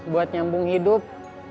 buat nyambung hidup